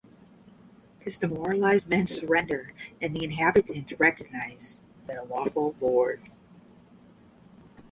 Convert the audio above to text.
His demoralized men surrender and the inhabitants recognise their lawful lord.